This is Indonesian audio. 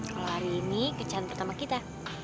kalau hari ini kecahan pertama kita